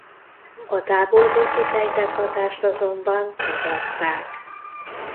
A távolból kifejtett hatást azonban tagadták.